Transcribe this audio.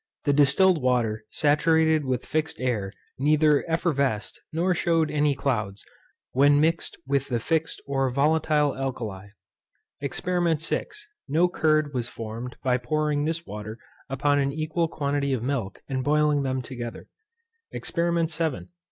The distilled water saturated with fixed air neither effervesced, nor shewed any clouds, when mixed with the fixed or volatile alkali. EXPERIMENT VI. No curd was formed by pouring this water upon an equal quantity of milk, and boiling them together. EXPERIMENT VII.